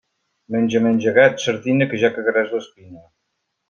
Menja, menja, gat, sardina, que ja cagaràs l'espina.